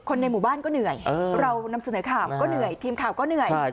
ในหมู่บ้านก็เหนื่อยเรานำเสนอข่าวก็เหนื่อยทีมข่าวก็เหนื่อย